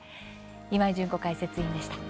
今井純子解説委員でした。